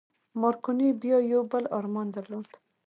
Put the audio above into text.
مارکوني بيا يو بل ارمان درلود.